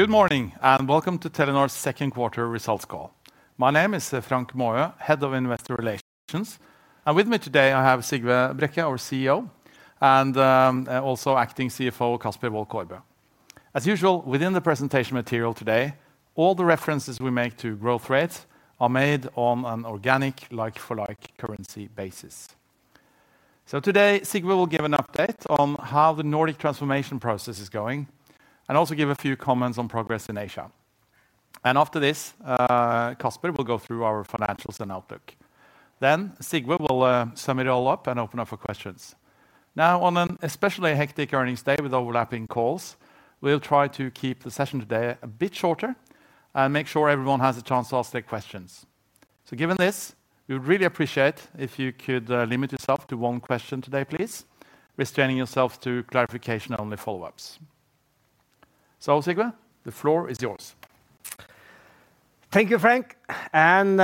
Good morning, and welcome to Telenor's second quarter results call. My name is Frank Maaø, Head of Investor Relations, and with me today I have Sigve Brekke, our CEO, and also acting CFO, Kasper Wold Kaarbø. As usual, within the presentation material today, all the references we make to growth rates are made on an organic, like-for-like currency basis. So today, Sigve will give an update on how the Nordic transformation process is going, and also give a few comments on progress in Asia. After this, Kasper will go through our financials and outlook. Then Sigve will sum it all up and open up for questions. Now, on an especially hectic earnings day with overlapping calls, we'll try to keep the session today a bit shorter, and make sure everyone has a chance to ask their questions. So given this, we would really appreciate if you could limit yourself to one question today, please, restraining yourself to clarification-only follow-ups. So Sigve, the floor is yours. Thank you, Frank, and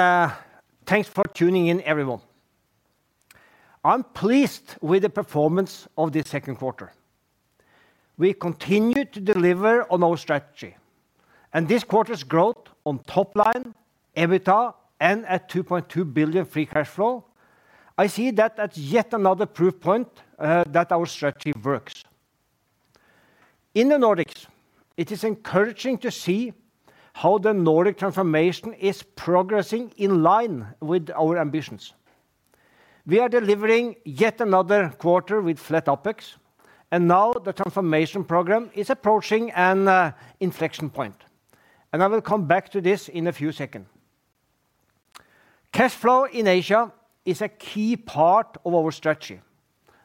thanks for tuning in, everyone. I'm pleased with the performance of the second quarter. We continue to deliver on our strategy, and this quarter's growth on top line, EBITDA, and at 2.2 billion free cash flow, I see that as yet another proof point that our strategy works. In the Nordics, it is encouraging to see how the Nordic transformation is progressing in line with our ambitions. We are delivering yet another quarter with flat OpEx, and now the transformation program is approaching an inflection point, and I will come back to this in a few second. Cash flow in Asia is a key part of our strategy.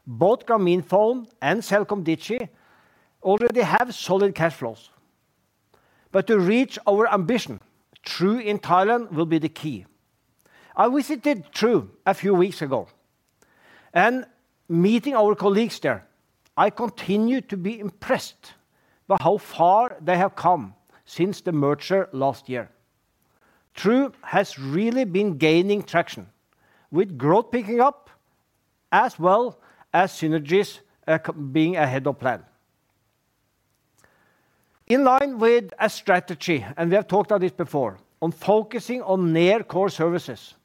Both Grameenphone and CelcomDigi already have solid cash flows. But to reach our ambition, True in Thailand will be the key. I visited True a few weeks ago, and meeting our colleagues there, I continue to be impressed by how far they have come since the merger last year. True has really been gaining traction, with growth picking up, as well as synergies being ahead of plan. In line with our strategy, and we have talked on this before, on focusing on near core services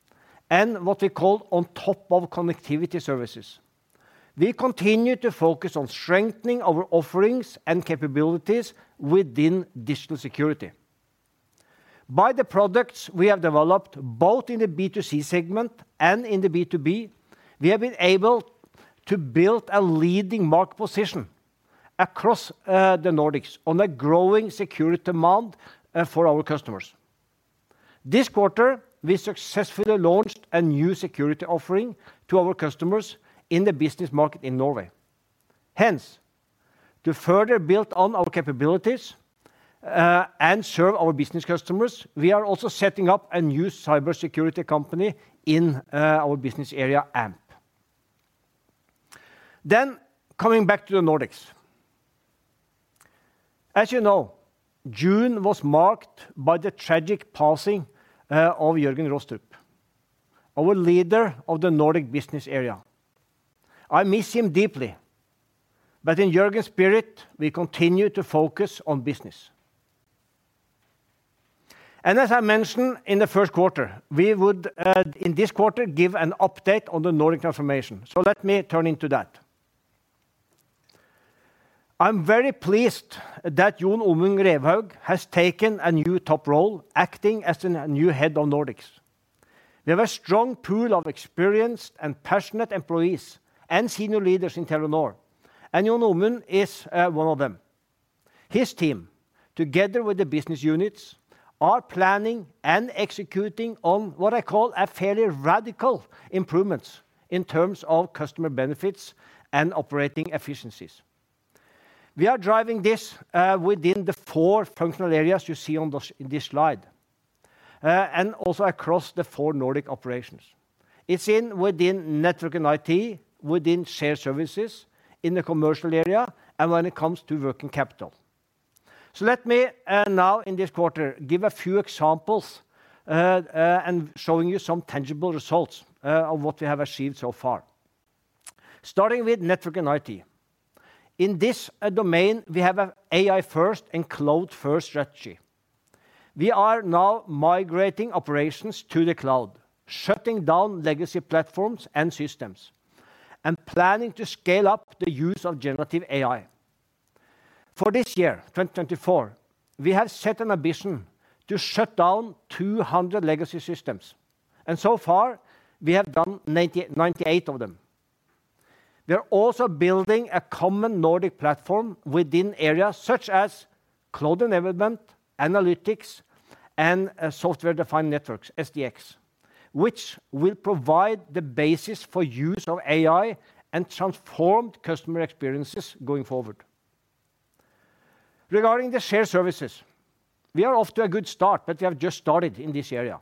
and what we call on top of connectivity services, we continue to focus on strengthening our offerings and capabilities within digital security. By the products we have developed, both in the B2C segment and in the B2B, we have been able to build a leading market position across the Nordics on a growing security demand for our customers. This quarter, we successfully launched a new security offering to our customers in the business market in Norway. Hence, to further build on our capabilities, and serve our business customers, we are also setting up a new cybersecurity company in, our business area, Amp. Then, coming back to the Nordics. As you know, June was marked by the tragic passing of Jørgen Rostrup, our leader of the Nordic business area. I miss him deeply, but in Jørgen's spirit, we continue to focus on business. As I mentioned in the first quarter, we would, in this quarter, give an update on the Nordic transformation. So let me turn into that. I'm very pleased that Jon Omund Revhaug has taken a new top role, acting as the new head of Nordics. We have a strong pool of experienced and passionate employees and senior leaders in Telenor, and Jon Omund Revhaug is one of them. His team, together with the business units, are planning and executing on what I call a fairly radical improvements in terms of customer benefits and operating efficiencies. We are driving this within the four functional areas you see on this, in this slide, and also across the four Nordic operations. It's within network and IT, within shared services, in the commercial area, and when it comes to working capital. So let me now in this quarter give a few examples, and showing you some tangible results of what we have achieved so far. Starting with network and IT. In this domain, we have an AI First and Cloud First strategy. We are now migrating operations to the cloud, shutting down legacy platforms and systems, and planning to scale up the use of generative AI. For this year, 2024, we have set an ambition to shut down 200 legacy systems, and so far, we have done 98 of them. We are also building a common Nordic platform within areas such as cloud development, analytics, and software-defined networks, SDx, which will provide the basis for use of AI and transformed customer experiences going forward. Regarding the shared services, we are off to a good start, but we have just started in this area.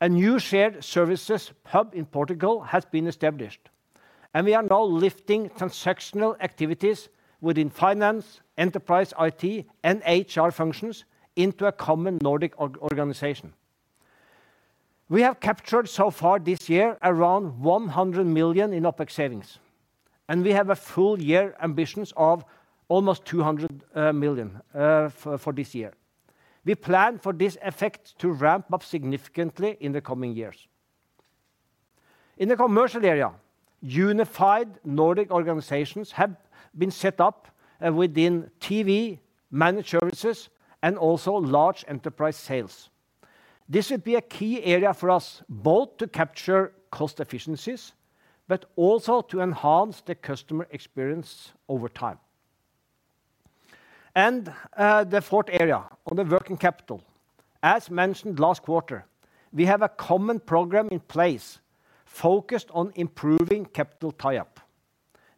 A new shared services hub in Portugal has been established, and we are now lifting transactional activities within finance, enterprise, IT, and HR functions into a common Nordic organization. We have captured so far this year around 100 million in OpEx savings, and we have a full year ambitions of almost 200 million for this year. We plan for this effect to ramp up significantly in the coming years. In the commercial area, unified Nordic organizations have been set up within TV, managed services, and also large enterprise sales. This will be a key area for us both to capture cost efficiencies, but also to enhance the customer experience over time. And, the fourth area, on the working capital. As mentioned last quarter, we have a common program in place focused on improving capital tie-up.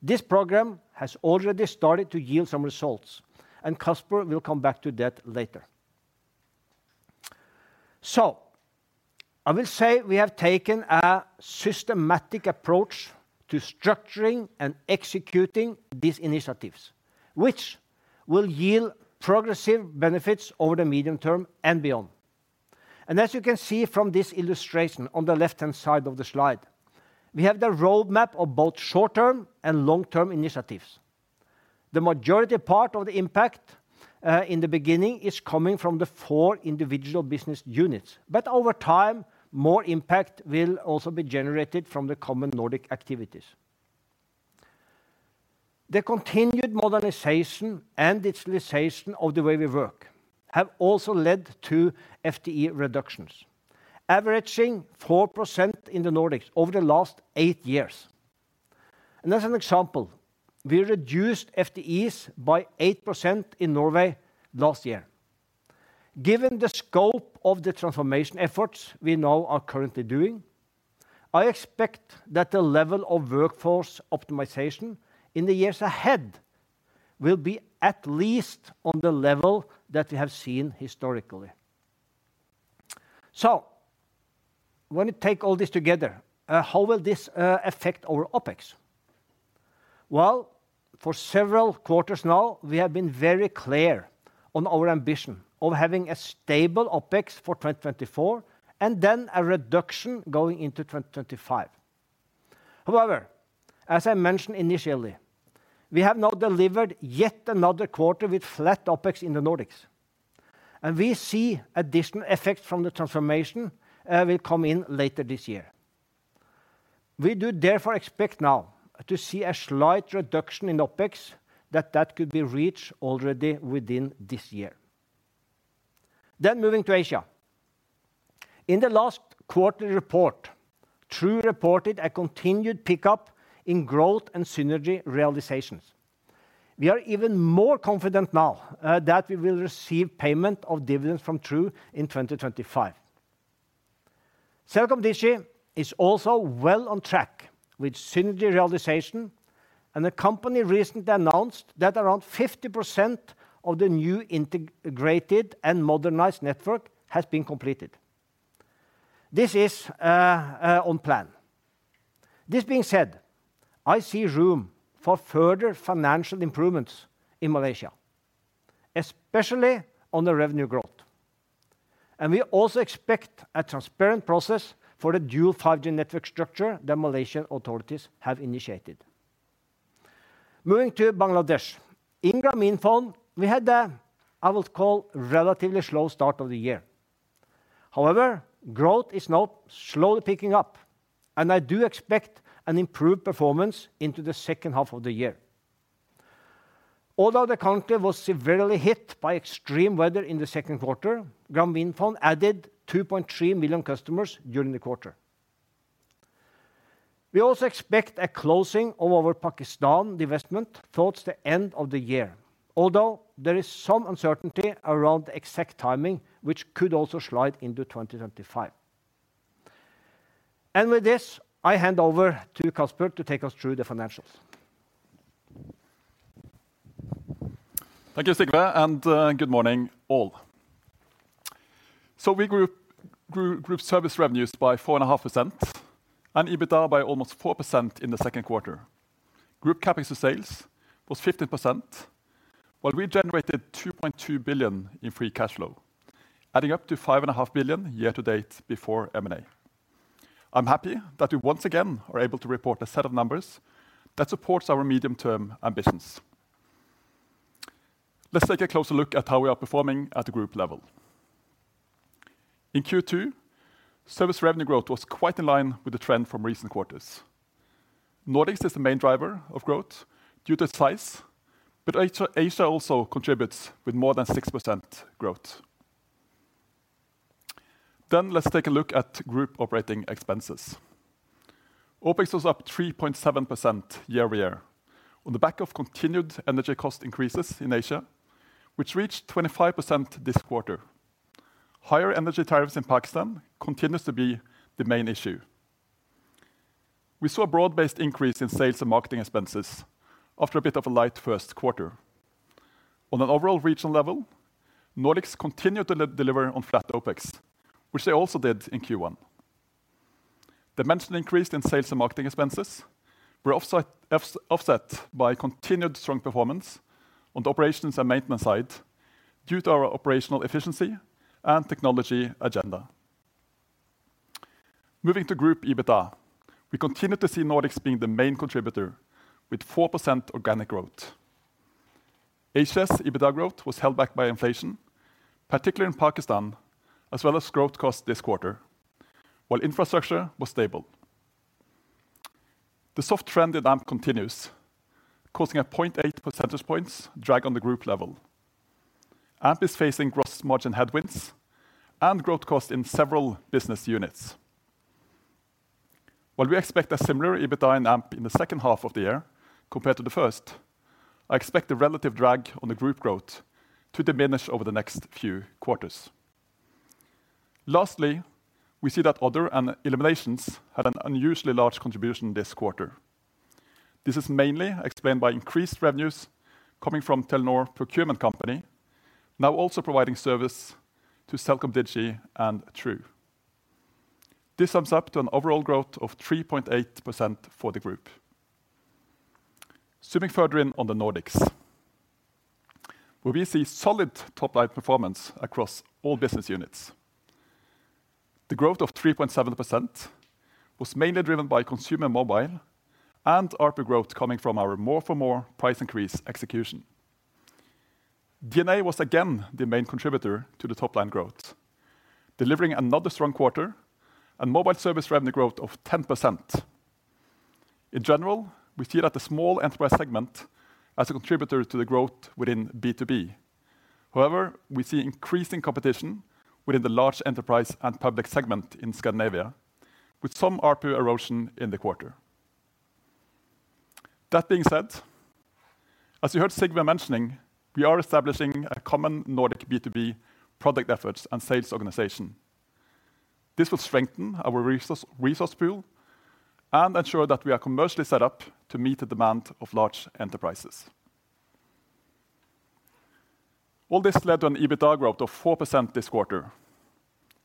This program has already started to yield some results, and Kasper will come back to that later. So I will say we have taken a systematic approach to structuring and executing these initiatives, which will yield progressive benefits over the medium term and beyond. And as you can see from this illustration on the left-hand side of the slide, we have the roadmap of both short-term and long-term initiatives. The majority part of the impact, in the beginning, is coming from the four individual business units, but over time, more impact will also be generated from the common Nordic activities. The continued modernization and digitalization of the way we work have also led to FTE reductions, averaging 4% in the Nordics over the last eight years. As an example, we reduced FTEs by 8% in Norway last year. Given the scope of the transformation efforts we now are currently doing, I expect that the level of workforce optimization in the years ahead will be at least on the level that we have seen historically. When we take all this together, how will this affect our OpEx? Well, for several quarters now, we have been very clear on our ambition of having a stable OpEx for 2024, and then a reduction going into 2025. However, as I mentioned initially, we have now delivered yet another quarter with flat OpEx in the Nordics, and we see additional effects from the transformation will come in later this year. We do therefore expect now to see a slight reduction in OpEx that could be reached already within this year. Then moving to Asia. In the last quarterly report, True reported a continued pickup in growth and synergy realizations. We are even more confident now that we will receive payment of dividends from True in 2025. CelcomDigi is also well on track with synergy realization, and the company recently announced that around 50% of the new integrated and modernized network has been completed. This is on plan. This being said, I see room for further financial improvements in Malaysia, especially on the revenue growth. We also expect a transparent process for the dual 5G network structure that Malaysian authorities have initiated. Moving to Bangladesh. In Grameenphone, we had a, I would call, relatively slow start of the year. However, growth is now slowly picking up, and I do expect an improved performance into the second half of the year. Although the country was severely hit by extreme weather in the second quarter, Grameenphone added 2.3 million customers during the quarter. We also expect a closing of our Pakistan divestment towards the end of the year, although there is some uncertainty around the exact timing, which could also slide into 2025. With this, I hand over to Kasper to take us through the financials. Thank you, Sigve, and good morning, all. So we grew group service revenues by 4.5% and EBITDA by almost 4% in the second quarter. Group CapEx was 15%, while we generated 2.2 billion in free cash flow, adding up to 5.5 billion year-to-date before M&A. I'm happy that we once again are able to report a set of numbers that supports our medium-term ambitions. Let's take a closer look at how we are performing at the group level. In Q2, service revenue growth was quite in line with the trend from recent quarters. Nordics is the main driver of growth due to size, but Asia also contributes with more than 6% growth. Then let's take a look at group operating expenses. OpEx was up 3.7% year-over-year on the back of continued energy cost increases in Asia, which reached 25% this quarter. Higher energy tariffs in Pakistan continues to be the main issue. We saw a broad-based increase in sales and marketing expenses after a bit of a light first quarter. On an overall regional level, Nordics continued to deliver on flat OpEx, which they also did in Q1. The mentioned increase in sales and marketing expenses were offset by continued strong performance on the operations and maintenance side due to our operational efficiency and technology agenda. Moving to group EBITDA, we continue to see Nordics being the main contributor with 4% organic growth. HSS EBITDA growth was held back by inflation, particularly in Pakistan, as well as growth cost this quarter, while infrastructure was stable. The soft trend in Amp continues, causing a 0.8 percentage points drag on the group level. Amp is facing gross margin headwinds and growth costs in several business units. While we expect a similar EBITDA in Amp in the second half of the year compared to the first, I expect the relative drag on the group growth to diminish over the next few quarters. Lastly, we see that other and eliminations had an unusually large contribution this quarter. This is mainly explained by increased revenues coming from Telenor Procurement Company, now also providing service to CelcomDigi and True. This sums up to an overall growth of 3.8% for the group. Zooming further in on the Nordics, where we see solid top-line performance across all business units. The growth of 3.7% was mainly driven by consumer mobile and ARPU growth coming from our more for more price increase execution. DNA was again the main contributor to the top-line growth, delivering another strong quarter and mobile service revenue growth of 10%. In general, we see that the small enterprise segment as a contributor to the growth within B2B. However, we see increasing competition within the large enterprise and public segment in Scandinavia, with some ARPU erosion in the quarter. That being said, as you heard Sigve mentioning, we are establishing a common Nordic B2B product efforts and sales organization. This will strengthen our resource pool and ensure that we are commercially set up to meet the demand of large enterprises. All this led to an EBITDA growth of 4% this quarter.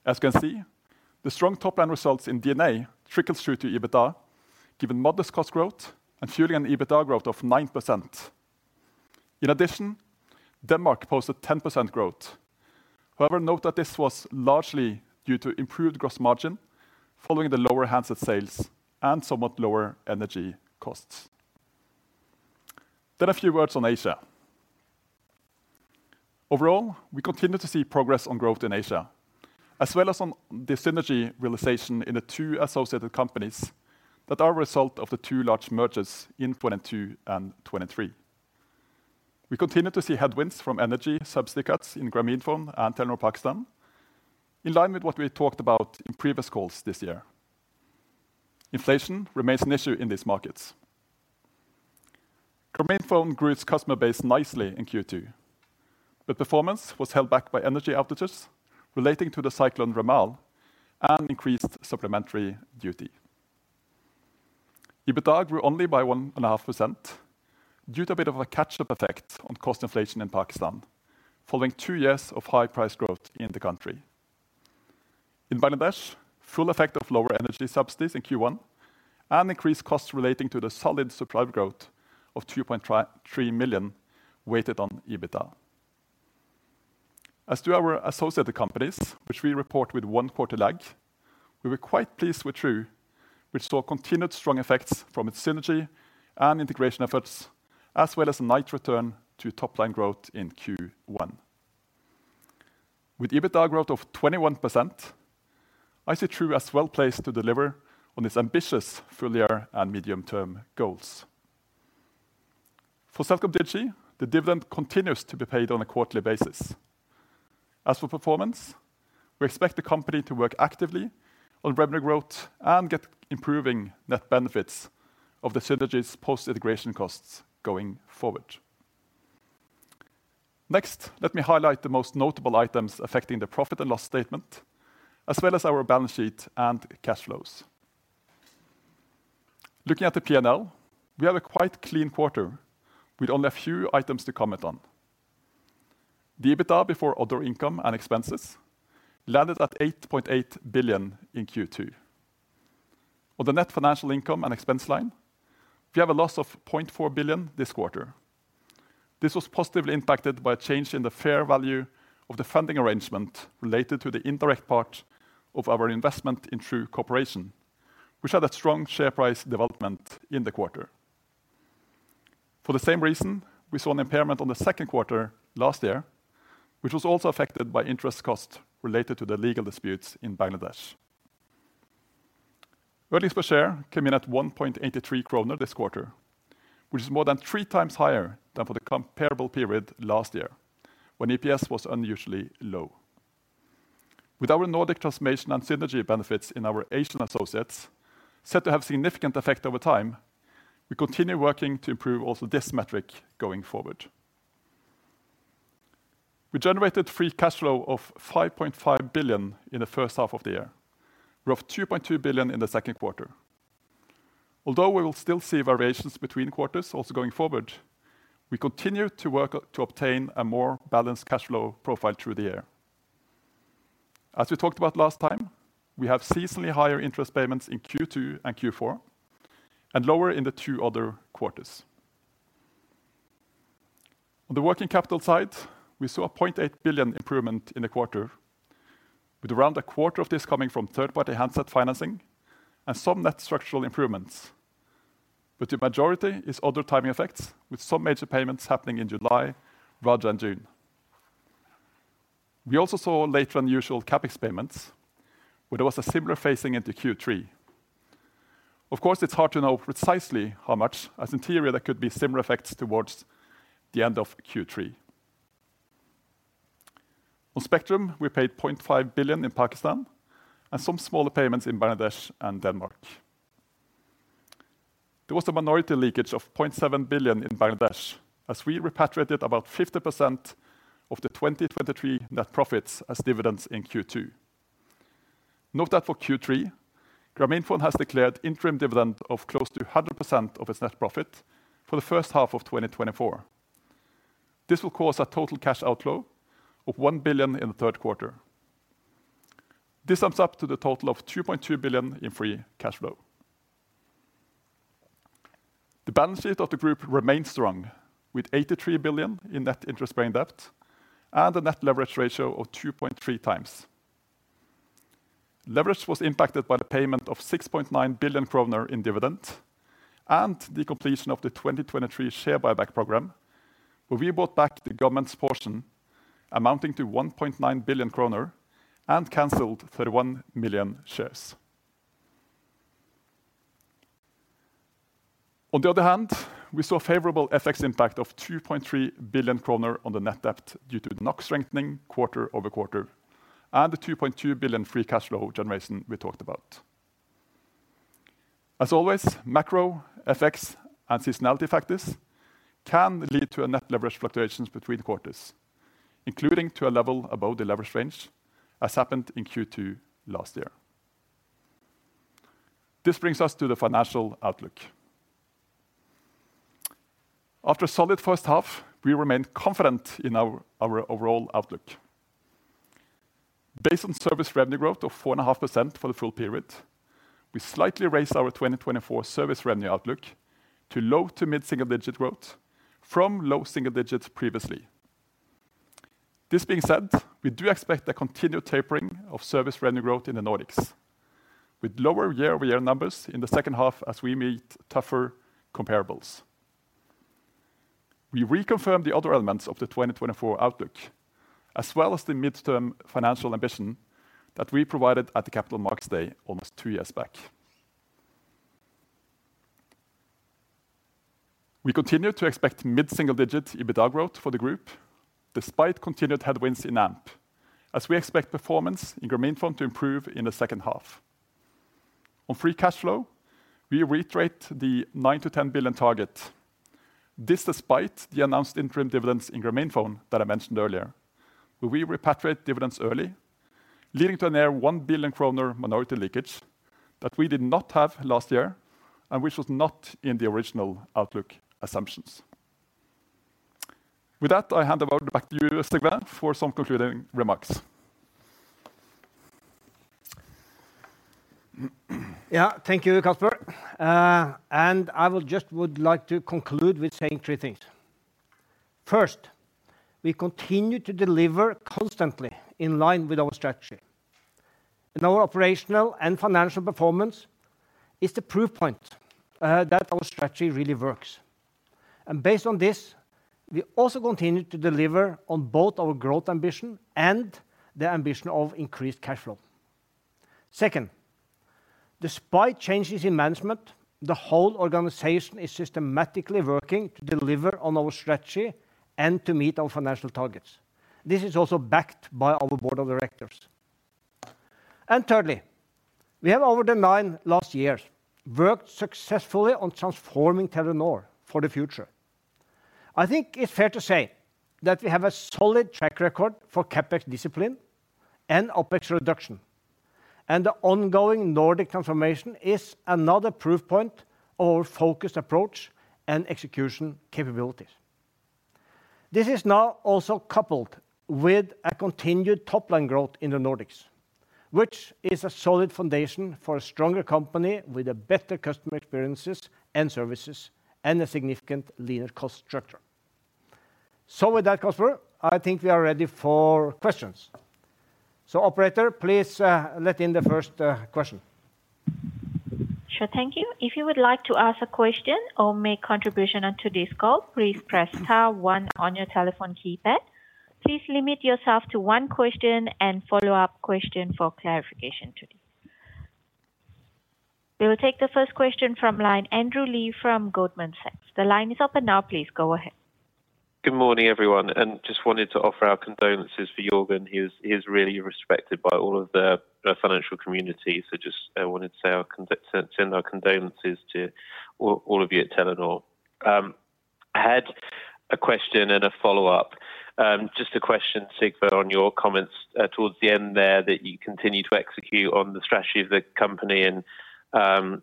As you can see, the strong top-line results in DNA trickles through to EBITDA, given modest cost growth and fueling an EBITDA growth of 9%. In addition, Denmark posted 10% growth. However, note that this was largely due to improved gross margin, following the lower handset sales and somewhat lower energy costs. Then a few words on Asia. Overall, we continue to see progress on growth in Asia, as well as on the synergy realization in the two associated companies that are a result of the two large mergers in 2022 and 2023. We continue to see headwinds from energy subsidies cuts in Grameenphone and Telenor Pakistan, in line with what we talked about in previous calls this year. Inflation remains an issue in these markets. Grameenphone grew its customer base nicely in Q2, but performance was held back by energy outages relating to the cyclone Remal and increased supplementary duty. EBITDA grew only by 1.5% due to a bit of a catch-up effect on cost inflation in Pakistan, following two years of high price growth in the country. In Bangladesh, full effect of lower energy subsidies in Q1 and increased costs relating to the solid subscriber growth of 2.3 million weighted on EBITDA. As to our associated companies, which we report with one quarter lag, we were quite pleased with True, which saw continued strong effects from its synergy and integration efforts, as well as a nice return to top-line growth in Q1. With EBITDA growth of 21%, I see True as well-placed to deliver on its ambitious full-year and medium-term goals. For CelcomDigi, the dividend continues to be paid on a quarterly basis. As for performance, we expect the company to work actively on revenue growth and get improving net benefits of the synergies post-integration costs going forward. Next, let me highlight the most notable items affecting the profit and loss statement, as well as our balance sheet and cash flows. Looking at the P&L, we have a quite clean quarter with only a few items to comment on. The EBITDA before other income and expenses landed at 8.8 billion in Q2. On the net financial income and expense line, we have a loss of 0.4 billion this quarter. This was positively impacted by a change in the fair value of the funding arrangement related to the indirect part of our investment in True Corporation, which had a strong share price development in the quarter. For the same reason, we saw an impairment on the second quarter last year, which was also affected by interest costs related to the legal disputes in Bangladesh. Earnings per share came in at 1.83 kroner this quarter, which is more than three times higher than for the comparable period last year, when EPS was unusually low. With our Nordic transformation and synergy benefits in our Asian associates set to have significant effect over time, we continue working to improve also this metric going forward. We generated free cash flow of 5.5 billion in the first half of the year, roughly 2.2 billion in the second quarter. Although we will still see variations between quarters also going forward, we continue to work to obtain a more balanced cash flow profile through the year. As we talked about last time, we have seasonally higher interest payments in Q2 and Q4, and lower in the two other quarters. On the working capital side, we saw a 0.8 billion improvement in the quarter, with around a quarter of this coming from third-party handset financing and some net structural improvements. But the majority is other timing effects, with some major payments happening in July rather than June. We also saw later than usual CapEx payments, where there was a similar facing into Q3. Of course, it's hard to know precisely how much, as in theory, there could be similar effects towards the end of Q3. On spectrum, we paid 0.5 billion in Pakistan and some smaller payments in Bangladesh and Denmark. There was a minority leakage of 0.7 billion in Bangladesh, as we repatriated about 50% of the 2023 net profits as dividends in Q2. Note that for Q3, Grameenphone has declared interim dividend of close to 100% of its net profit for the first half of 2024. This will cause a total cash outflow of 1 billion in the third quarter. This sums up to the total of 2.2 billion in free cash flow. The balance sheet of the group remains strong, with 83 billion in net interest-bearing debt and a net leverage ratio of 2.3x. Leverage was impacted by the payment of 6.9 billion kroner in dividend and the completion of the 2023 share buyback program, where we bought back the government's portion, amounting to 1.9 billion kroner, and canceled 31 million shares. On the other hand, we saw a favorable FX impact of 2.3 billion kroner on the net debt due to the NOK strengthening quarter-over-quarter and the 2.2 billion free cash flow generation we talked about. As always, macro, FX, and seasonality factors can lead to net leverage fluctuations between quarters, including to a level above the leverage range, as happened in Q2 last year. This brings us to the financial outlook. After a solid first half, we remain confident in our overall outlook. Based on service revenue growth of 4.5% for the full period, we slightly raised our 2024 service revenue outlook to low- to mid-single-digit growth from low single digits previously. This being said, we do expect a continued tapering of service revenue growth in the Nordics, with lower year-over-year numbers in the second half as we meet tougher comparables. We reconfirm the other elements of the 2024 outlook, as well as the midterm financial ambition that we provided at the Capital Markets Day almost two years back. We continue to expect mid-single-digit EBITDA growth for the group, despite continued headwinds in Amp, as we expect performance in Grameenphone to improve in the second half. On free cash flow, we reiterate the 9 billion-10 billion target. This despite the announced interim dividends in Grameenphone that I mentioned earlier, where we repatriate dividends early, leading to a near 1 billion kroner minority leakage that we did not have last year and which was not in the original outlook assumptions. With that, I hand it over back to you, Sigve, for some concluding remarks. Yeah, thank you, Kasper. And I will just would like to conclude with saying three things. First, we continue to deliver constantly in line with our strategy. And our operational and financial performance is the proof point that our strategy really works. And based on this, we also continue to deliver on both our growth ambition and the ambition of increased cash flow. Second, despite changes in management, the whole organization is systematically working to deliver on our strategy and to meet our financial targets. This is also backed by our board of directors. And thirdly, we have over the last nine years worked successfully on transforming Telenor for the future. I think it's fair to say that we have a solid track record for CapEx discipline and OpEx reduction, and the ongoing Nordic transformation is another proof point of our focused approach and execution capabilities. This is now also coupled with a continued top-line growth in the Nordics, which is a solid foundation for a stronger company with a better customer experiences and services and a significant leaner cost structure. So with that, Kasper, I think we are ready for questions. So, operator, please let in the first question. Sure. Thank you. If you would like to ask a question or make contribution onto this call, please press star one on your telephone keypad. Please limit yourself to one question and follow-up question for clarification today. We will take the first question from line, Andrew Lee from Goldman Sachs. The line is open now. Please go ahead. Good morning, everyone, and just wanted to offer our condolences for Jørgen. He is really respected by all of the financial community. So just wanted to say our condolences to all of you at Telenor. A question and a follow-up. Just a question, Sigve, on your comments towards the end there, that you continue to execute on the strategy of the company, and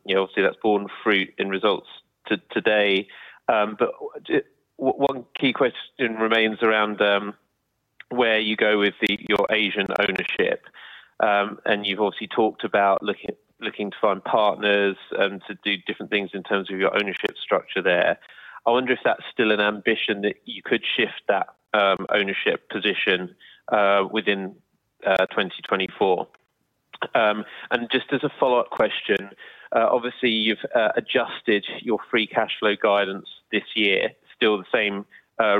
you know, obviously, that's borne fruit in results today. But one key question remains around where you go with your Asian ownership. And you've also talked about looking to find partners to do different things in terms of your ownership structure there. I wonder if that's still an ambition that you could shift that ownership position within 2024? And just as a follow-up question, obviously you've adjusted your free cash flow guidance this year. Still the same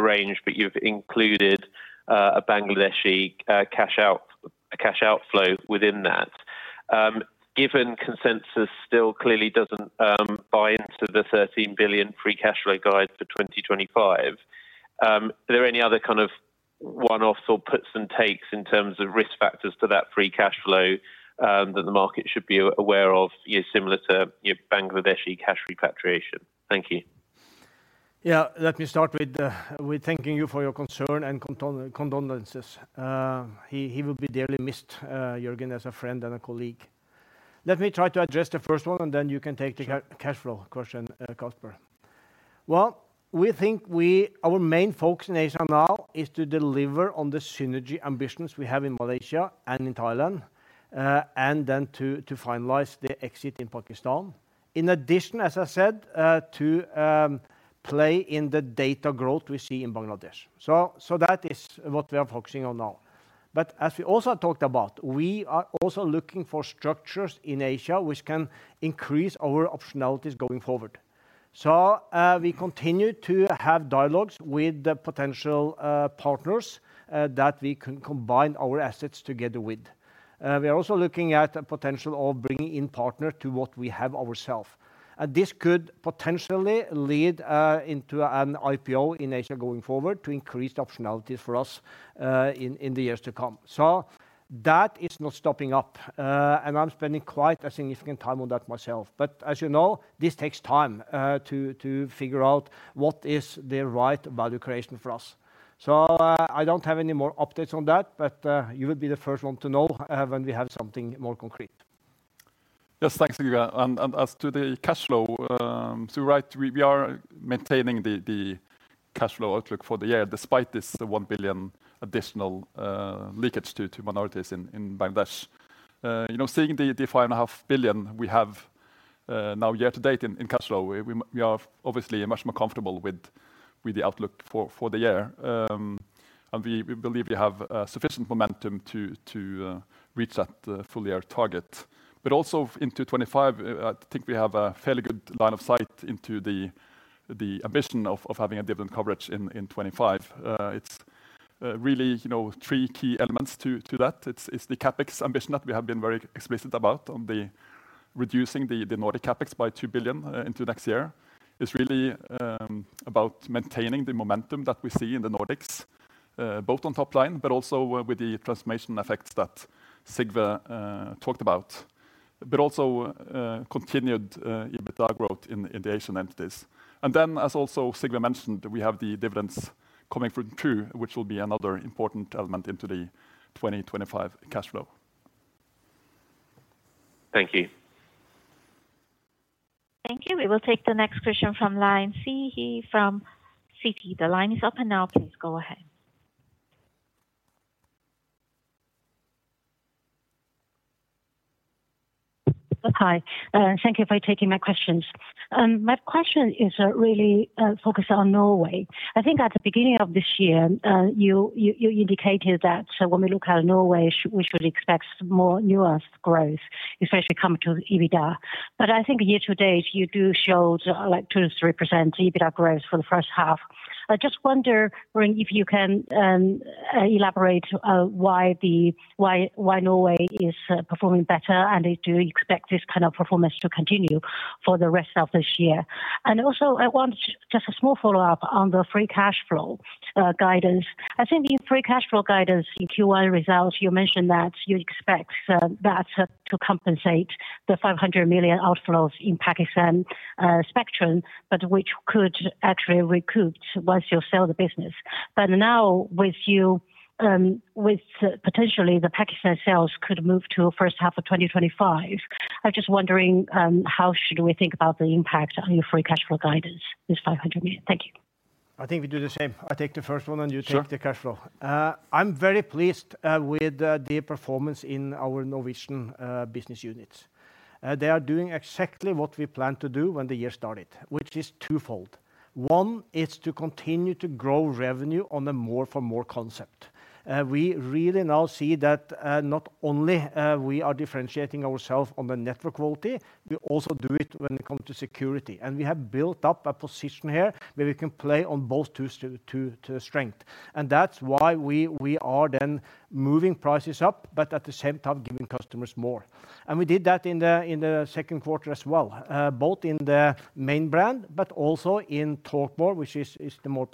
range, but you've included a Bangladeshi cash out, cash outflow within that. Given consensus still clearly doesn't buy into the 13 billion free cash flow guide for 2025, are there any other kind of one-offs or puts and takes in terms of risk factors to that free cash flow, that the market should be aware of, you know, similar to your Bangladeshi cash repatriation? Thank you. Yeah, let me start with thanking you for your concern and condolences. He will be dearly missed, Jørgen, as a friend and a colleague. Let me try to address the first one, and then you can take the cash flow question, Kasper. Well, we think our main focus in Asia now is to deliver on the synergy ambitions we have in Malaysia and in Thailand, and then to finalize the exit in Pakistan. In addition, as I said, to play in the data growth we see in Bangladesh. So that is what we are focusing on now. But as we also talked about, we are also looking for structures in Asia which can increase our optionalities going forward. So, we continue to have dialogues with the potential partners that we can combine our assets together with. We are also looking at the potential of bringing in partners to what we have ourselves, and this could potentially lead into an IPO in Asia going forward to increase the optionalities for us in the years to come. So that is not stopping up. And I'm spending quite a significant time on that myself. But as you know, this takes time to figure out what is the right value creation for us. So, I don't have any more updates on that, but you will be the first one to know when we have something more concrete. Yes, thanks, Sigve. And as to the cash flow, so right, we are maintaining the cash flow outlook for the year, despite this 1 billion additional leakage to minorities in Bangladesh. You know, seeing the 5.5 billion we have now year-to-date in cash flow, we are obviously much more comfortable with the outlook for the year. And we believe we have sufficient momentum to reach that full year target. But also into 2025, I think we have a fairly good line of sight into the ambition of having a dividend coverage in 2025. It's really, you know, three key elements to that. It's the CapEx ambition that we have been very explicit about, on reducing the Nordic CapEx by 2 billion into next year. It's really about maintaining the momentum that we see in the Nordics, both on top line, but also with the transformation effects that Sigve talked about. But also continued EBITDA growth in the Asian entities. And then, as also Sigve mentioned, we have the dividends coming through True, which will be another important element into the 2025 cash flow. Thank you. Thank you. We will take the next question from line Siyi from Citi. The line is open now. Please go ahead. Hi, thank you for taking my questions. My question is really focused on Norway. I think at the beginning of this year, you indicated that so when we look at Norway, we should expect more nuanced growth, especially coming to the EBITDA. But I think year to date, you do show, like, 2%-3% EBITDA growth for the first half. I just wonder, if you can elaborate why Norway is performing better, and do you expect this kind of performance to continue for the rest of this year? Also, I want just a small follow-up on the free cash flow guidance. I think the free cash flow guidance in Q1 results, you mentioned that you expect that to compensate the 500 million outflows in Pakistan, spectrum, but which could actually recoup once you sell the business. But now, with potentially the Pakistan sales could move to first half of 2025, I'm just wondering, how should we think about the impact on your free cash flow guidance, this 500 million? Thank you. I think we do the same. I take the first one, and you take the cash flow. Sure. I'm very pleased with the performance in our Norwegian business units. They are doing exactly what we planned to do when the year started, which is twofold. One is to continue to grow revenue on a more for more concept. We really now see that not only we are differentiating ourselves on the network quality, we also do it when it comes to security. And we have built up a position here where we can play on both two strengths, and that's why we are then moving prices up, but at the same time, giving customers more. And we did that in the second quarter as well, both in the main brand, but also in Talkmore, which is the more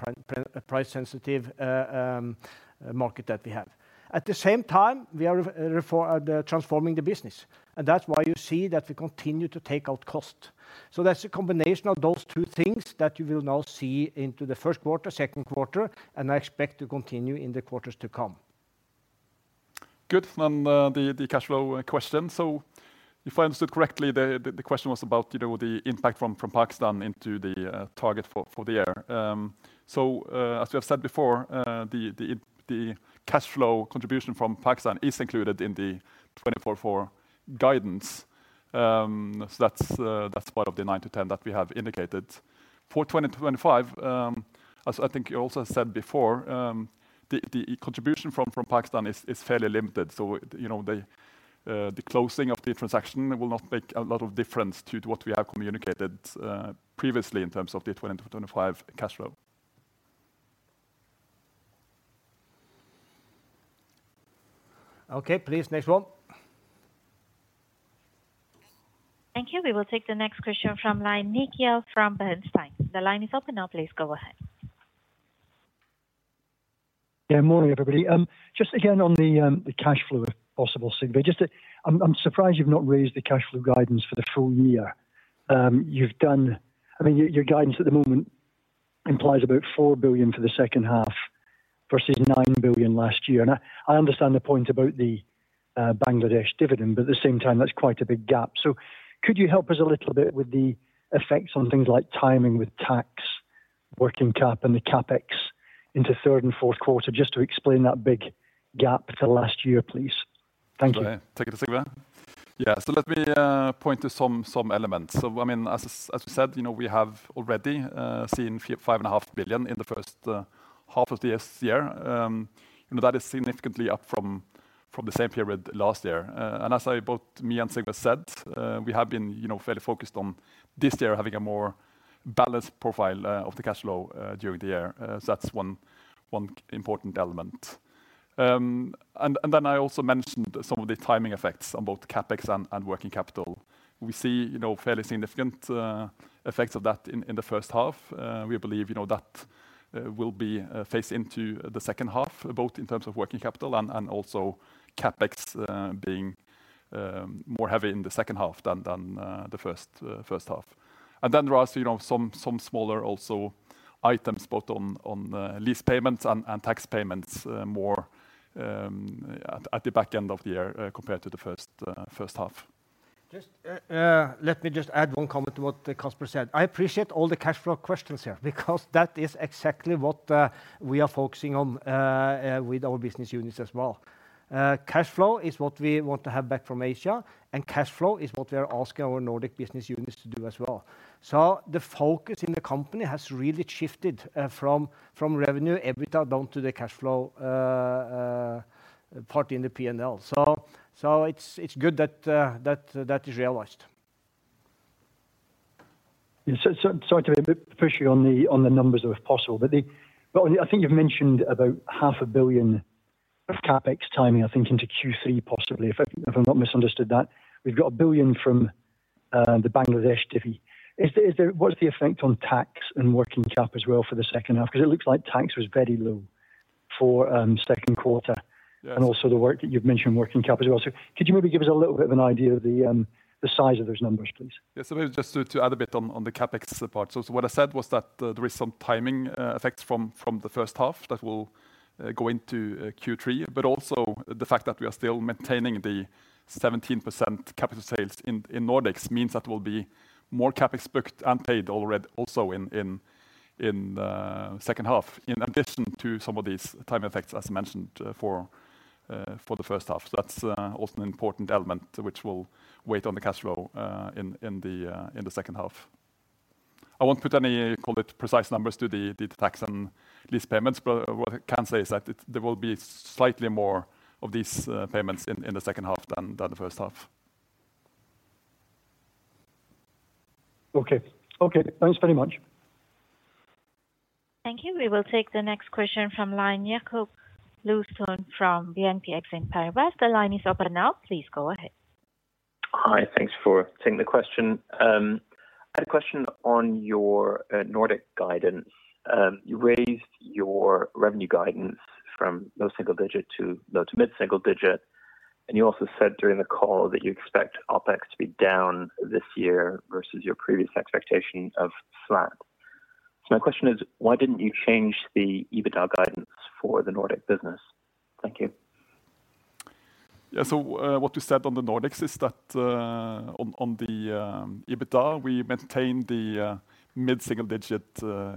price sensitive market that we have. At the same time, we are transforming the business, and that's why you see that we continue to take out cost. So that's a combination of those two things that you will now see into the first quarter, second quarter, and I expect to continue in the quarters to come. Good. Then, the cash flow question. So if I understood correctly, the question was about, you know, the impact from Pakistan into the target for the year. So, as we have said before, the cash flow contribution from Pakistan is included in the 2024 guidance. So that's part of the 9-10 that we have indicated. For 2025, as I think you also said before, the contribution from Pakistan is fairly limited. So, you know, the closing of the transaction will not make a lot of difference to what we have communicated previously in terms of the 2025 cash flow. Okay, please, next one. Thank you. We will take the next question from line, Nick from Bernstein. The line is open now, please go ahead. Yeah, morning, everybody. Just again on the cash flow, if possible, Sigve. I'm surprised you've not raised the cash flow guidance for the full year. I mean, your guidance at the moment implies about 4 billion for the second half versus 9 billion last year. And I understand the point about the Bangladesh dividend, but at the same time, that's quite a big gap. So could you help us a little bit with the effects on things like timing with tax, working cap, and the CapEx into third and fourth quarter, just to explain that big gap to last year, please? Thank you. Sure. Take it to Sigve? Yeah. So let me point to some elements. So I mean, as we said, you know, we have already seen 5.5 billion in the first half of this year. And that is significantly up from the same period last year. And as I, both me and Sigve said, we have been, you know, fairly focused on this year having a more balanced profile of the cash flow during the year. So that's one important element. And then I also mentioned some of the timing effects on both CapEx and working capital. We see, you know, fairly significant effects of that in the first half. We believe, you know, that will be phased into the second half, both in terms of working capital and also CapEx, being more heavy in the second half than the first half. Then there are, you know, some smaller also items, both on lease payments and tax payments, more at the back end of the year, compared to the first half. Just let me just add one comment to what Kasper said. I appreciate all the cash flow questions here, because that is exactly what we are focusing on with our business units as well. Cash flow is what we want to have back from Asia, and cash flow is what we are asking our Nordic business units to do as well. So the focus in the company has really shifted from revenue, EBITDA, down to the cash flow part in the PNL. So it's good that that is realized. Yeah. Sorry to be a bit pushy on the numbers, if possible, but I think you've mentioned about 500 million of CapEx timing, I think, into Q3, possibly, if I've not misunderstood that. We've got 1 billion from the Bangladesh divi. Is there what is the effect on tax and working cap as well for the second half? Because it looks like tax was very low for second quarter. Also the work that you've mentioned, working cap as well. Could you maybe give us a little bit of an idea of the size of those numbers, please? Yeah. So maybe just to add a bit on the CapEx part. So what I said was that there is some timing effects from the first half that will go into Q3. But also the fact that we are still maintaining the 17% CapEx/sales in Nordics means that there will be more CapEx booked and paid already also in the second half, in addition to some of these timing effects, as mentioned, for the first half. So that's also an important element which will weigh on the cash flow in the second half. I won't put any, call it, precise numbers to the tax and lease payments, but what I can say is that there will be slightly more of these payments in the second half than the first half. Okay. Okay, thanks very much. Thank you. We will take the next question from line, Jakob Bluestone from BNP Exane Paribas in Paris. The line is open now. Please go ahead. Hi, thanks for taking the question. I had a question on your Nordic guidance. You raised your revenue guidance from low single digit to low to mid single digit, and you also said during the call that you expect OpEx to be down this year versus your previous expectation of flat. So my question is, why didn't you change the EBITDA guidance for the Nordic business? Thank you. Yeah. So, what we said on the Nordics is that, on the EBITDA, we maintained the mid-single digit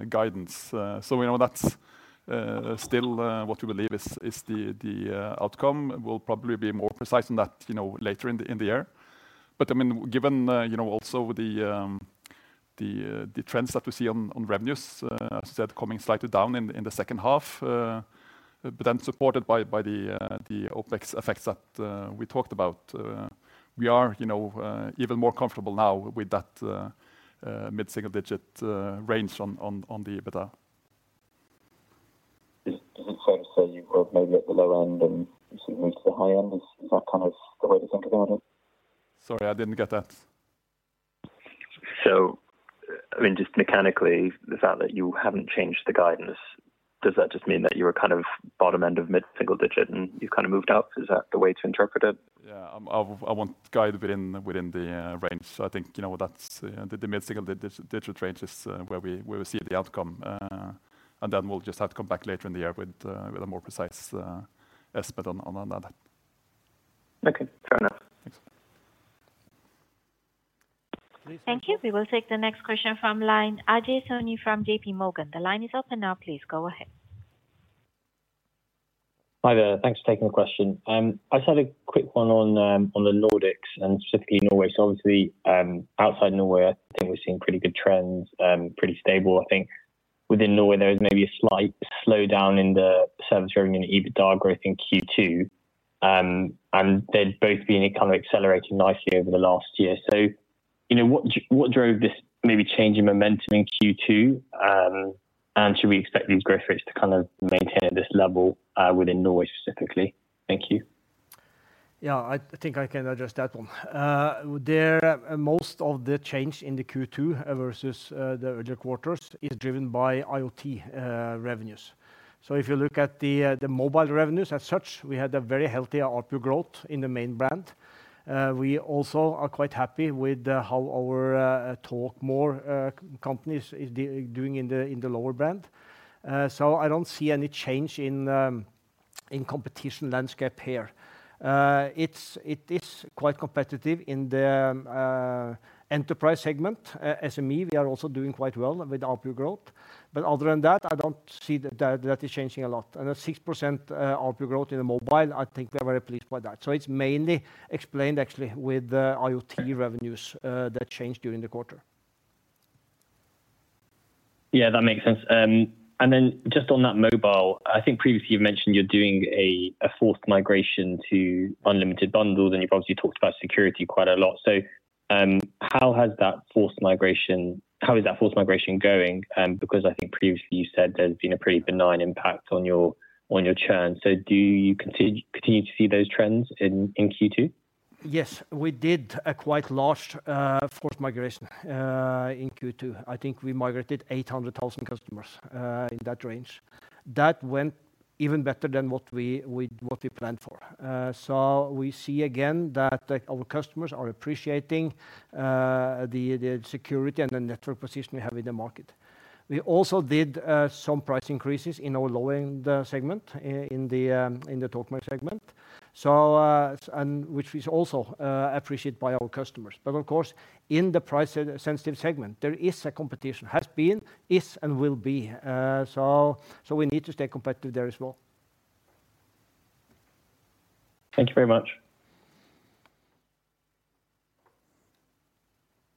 guidance. So, you know, that's still what we believe is the outcome. We'll probably be more precise on that, you know, later in the year. But, I mean, given, you know, also the trends that we see on revenues, as I said, coming slightly down in the second half, but then supported by the OpEx effects that we talked about. We are, you know, even more comfortable now with that mid-single digit range on the EBITDA. Is it fair to say you were maybe at the low end and something to the high end? Is that kind of the way to think about it? Sorry, I didn't get that. So, I mean, just mechanically, the fact that you haven't changed the guidance, does that just mean that you were kind of bottom end of mid-single digit, and you kind of moved up? Is that the way to interpret it? I want to guide within the range. So I think, you know, that's the mid-single digit range is where we see the outcome. And then we'll just have to come back later in the year with a more precise estimate on that. Okay, fair enough. Thanks. Thank you. We will take the next question from line, Ajay Soni from J.P. Morgan. The line is open now, please go ahead. Hi there. Thanks for taking the question. I just had a quick one on, on the Nordics and specifically Norway. So obviously, outside Norway, I think we've seen pretty good trends, pretty stable. I think within Norway there was maybe a slight slowdown in the service revenue and EBITDA growth in Q2. And they'd both been kind of accelerating nicely over the last year. So, you know, what drove this maybe change in momentum in Q2? And should we expect these growth rates to kind of maintain at this level, within Norway specifically? Thank you. Yeah, I think I can address that one. Most of the change in the Q2 versus the earlier quarters is driven by IoT revenues. So if you look at the mobile revenues as such, we had a very healthy ARPU growth in the main brand. We also are quite happy with how our Talkmore company is doing in the lower brand. So I don't see any change in competition landscape here. It is quite competitive in the enterprise segment. SME, we are also doing quite well with ARPU growth. But other than that, I don't see that that is changing a lot. And at 6% ARPU growth in the mobile, I think we are very pleased by that. It's mainly explained actually with the IoT revenues that changed during the quarter. Yeah, that makes sense. Then just on that mobile, I think previously you've mentioned you're doing a forced migration to unlimited bundles, and you've obviously talked about security quite a lot. So, how has that forced migration, how is that forced migration going? Because I think previously you said there's been a pretty benign impact on your churn. So do you continue to see those trends in Q2? Yes, we did a quite large, forced migration, in Q2. I think we migrated 800,000 customers, in that range. That went even better than what we planned for. So we see again that, like, our customers are appreciating, the security and the network position we have in the market. We also did, some price increases in our lower end segment, in the Talkmore segment. So, and which is also, appreciated by our customers. But of course, in the price-sensitive segment, there is a competition, has been, is, and will be. So we need to stay competitive there as well. Thank you very much.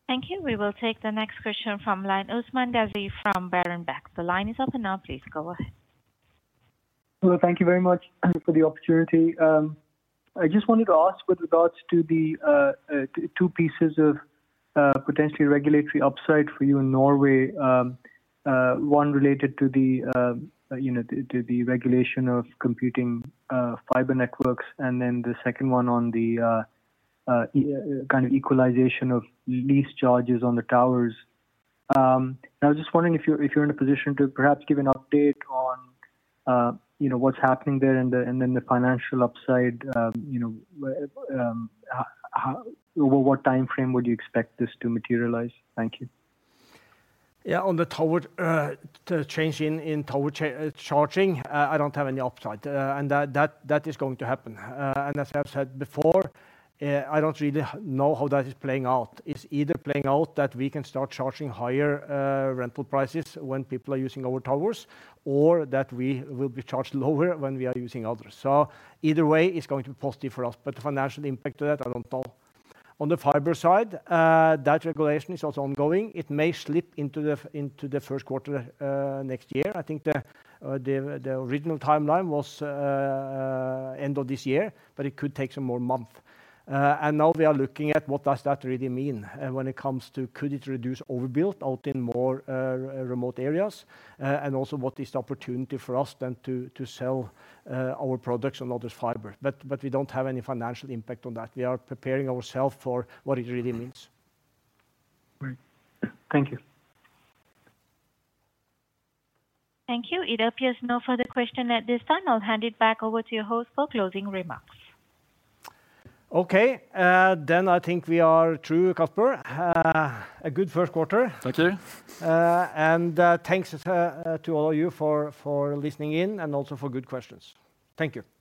Thank you. We will take the next question from the line, Usman Ghazi from Berenberg. The line is open now, please go ahead. Hello, thank you very much for the opportunity. I just wanted to ask with regards to the two pieces of potentially regulatory upside for you in Norway. One related to the, you know, to the regulation of competing fiber networks, and then the second one on the kind of equalization of lease charges on the towers. I was just wondering if you're in a position to perhaps give an update on, you know, what's happening there, and then the financial upside, you know, how over what time frame would you expect this to materialize? Thank you. Yeah, on the tower, the change in tower charging, I don't have any upside. And that is going to happen. And as I've said before, I don't really know how that is playing out. It's either playing out that we can start charging higher rental prices when people are using our towers, or that we will be charged lower when we are using others. So either way, it's going to be positive for us, but the financial impact to that, I don't know. On the fiber side, that regulation is also ongoing. It may slip into the first quarter next year. I think the original timeline was end of this year, but it could take some more month. Now we are looking at what does that really mean when it comes to could it reduce overbuild out in more remote areas? Also what is the opportunity for us then to sell our products on others' fiber. But we don't have any financial impact on that. We are preparing ourselves for what it really means. Great. Thank you. Thank you. It appears no further question at this time. I'll hand it back over to your host for closing remarks. Okay, then I think we are through, Kasper. A good first quarter. Thank you. Thanks to all of you for listening in and also for good questions. Thank you.